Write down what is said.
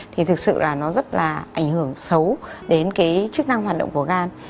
thì thực sự là nó rất là ảnh hưởng xấu đến cái chức năng hoạt động của gan